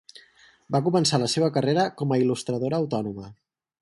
Va començar la seva carrera com a il·lustradora autònoma.